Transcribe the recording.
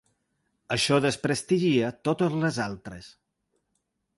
Això desprestigia totes les altres.